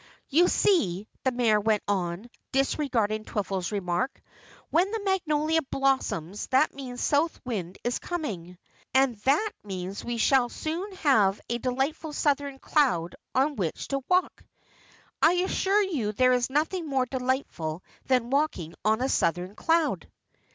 "You see," the Mayor went on, disregarding Twiffle's remark. "When the magnolia blossoms that means a south wind is coming. And that means we shall soon have a delightful southern cloud on which to walk. I assure you there is nothing more delightful than walking on a southern cloud."